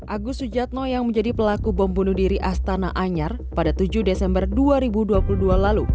agus sujatno yang menjadi pelaku bom bunuh diri astana anyar pada tujuh desember dua ribu dua puluh dua lalu